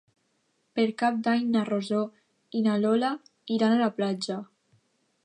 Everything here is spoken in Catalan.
Per Cap d'Any na Rosó i na Lola iran a la platja.